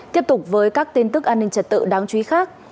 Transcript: tiếp tục với các tin tức an ninh trật tự đáng chú ý khác